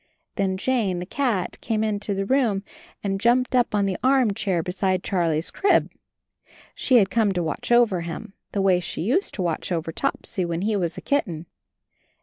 Then Jane, the cat, came into the room and 86 CHARLIE jumped up on the armchair beside Charlie's crib. She had come to watch over him, the way she used to watch over Topsy when he was a kitten.